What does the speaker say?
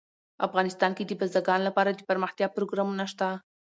افغانستان کې د بزګان لپاره دپرمختیا پروګرامونه شته.